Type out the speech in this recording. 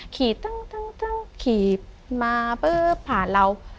ขี่ตึงขี่มาปื้บผ่านเรา